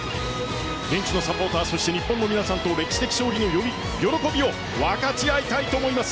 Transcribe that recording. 現地のサポーターそして日本の皆さんと歴史的勝利の喜びを分かち合いたいと思います。